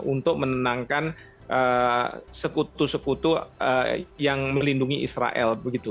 untuk menenangkan sekutu sekutu yang melindungi israel begitu